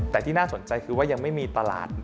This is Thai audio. แต่ที่น่าสนใจคือว่ายังไม่มีตลาด